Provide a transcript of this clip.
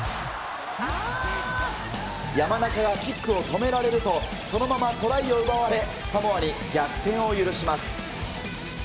山中がキックを止められると、そのままトライを奪われ、サモアに逆転を許します。